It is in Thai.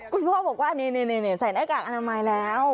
คุณพ่อบอกว่านี่ใส่หน้ากากอนามัยแล้ว